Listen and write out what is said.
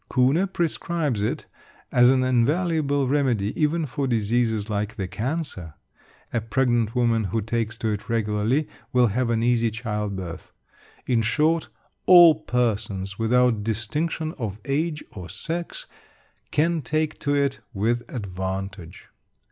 Kuhne prescribes it as an invaluable remedy even for diseases like the cancer. A pregnant woman who takes to it regularly will have an easy child birth. In short, all persons, without distinction of age or sex, can take to it with advantage.